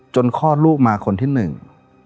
คลอดลูกมาคนที่หนึ่ง